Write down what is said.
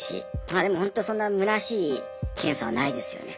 まあでもほんとそんなむなしい検査はないですよね。